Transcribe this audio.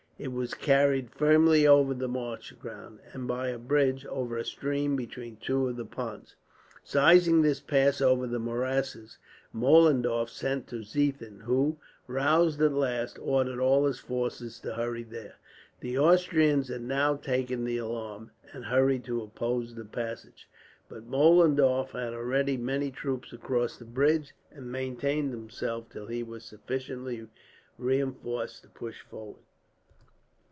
It was carried firmly over the marsh ground, and by a bridge over a stream between two of the ponds. Seizing this pass over the morasses, Mollendorf sent to Ziethen; who, roused at last, ordered all his force to hurry there. The Austrians had now taken the alarm, and hurried to oppose the passage; but Mollendorf had already many troops across the bridge, and maintained himself till he was sufficiently reinforced to push forward.